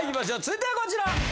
続いてはこちら！